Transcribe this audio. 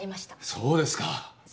そうなんですか？